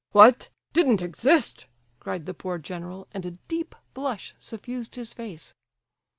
"What? Didn't exist?" cried the poor general, and a deep blush suffused his face.